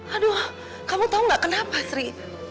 aduh kamu tau gak kenapa sri